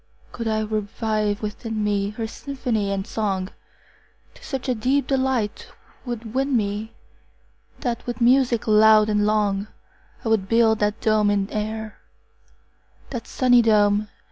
Could I revive within me, Her symphony and song, To such a deep delight 'twould win me, That with music loud and long, 45 I would build that dome in air, That sunny dome!